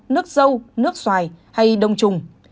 nước dâu nước xoài hay đông trùng